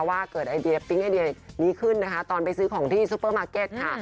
ว่าเกิดไอเดียปิ๊งไอเดียนี้ขึ้นนะคะตอนไปซื้อของที่ซูเปอร์มาร์เก็ตค่ะ